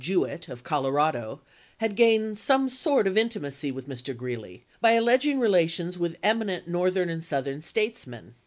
Jewett of Colorado " had gained some sort of inti macy with Mr. Greeley by alleging relations with eminent Northern and Southern statesmen.